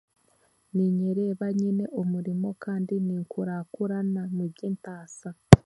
Niinyereba nyine omurimo kandi ninkurakurana omu by'entaasa